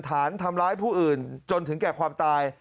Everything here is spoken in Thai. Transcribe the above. ฐานทำร้ายผู้อื่นจนถึงแก่ความตาย